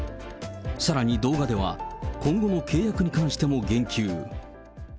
さらに動画では、今後の契約に関しても言及。